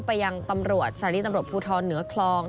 ไปยังตำรวจสหริตำรวจพูทรประเทศเหนือกล่อง